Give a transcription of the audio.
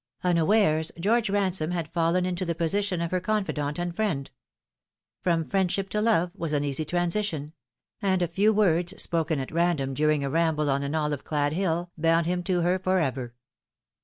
Unawares, George Ransome had fallen into the position of her confidant and friend. From friendship to love was an easy transition ; and a few words, spoken at random during a ramble on aa olive clad hill, bound him to her for ever.